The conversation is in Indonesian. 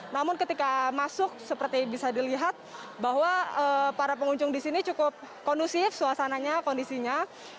namun ketika masuk seperti bisa dilihat bahwa para pengunjung di sini cukup kondusif suasananya kondisinya